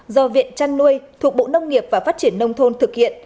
do viện chăn nuôi thuộc bộ nông nghiệp và phát triển nông thôn thực hiện